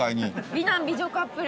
美男美女カップル。